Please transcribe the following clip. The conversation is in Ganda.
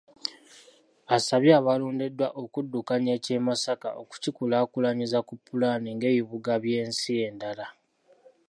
Asabye abaalondeddwa okuddukanya eky’e Masaka okukikulaakulanyiza ku pulaani ng’ebibuga by’ensi endala.